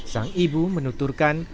sang ibu menuturkan